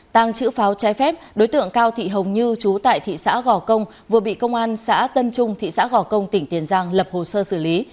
tăng chữ pháo trái phép đối tượng cao thị hồng như chú tại thị xã gò công vừa bị công an xã tân trung thị xã gò công tỉnh tiền giang lập hồ sơ xử lý